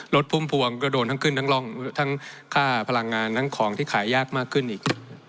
พุ่มพวงก็โดนทั้งขึ้นทั้งร่องทั้งค่าพลังงานทั้งของที่ขายยากมากขึ้นอีก